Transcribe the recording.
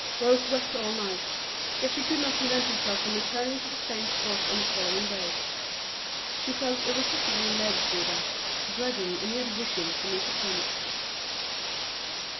Rose wept all night; yet she could not prevent herself from returning to the same spot on the following day; she felt irresistibly led thither, dreading, and yet wishing, to meet the prince.